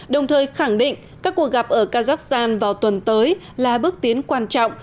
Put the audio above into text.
đồng thời khẳng định các cuộc gặp ở kazakhstan vào tuần tới là bước tiến quan trọng